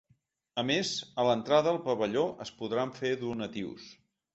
A més, a l’entrada al pavelló es podran fer donatius.